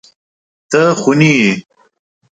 ته خوني يې.